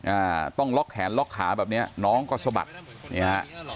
อ่าต้องล็อกแขนล็อกขาแบบเนี้ยน้องก็สะบัดเนี่ยฮะ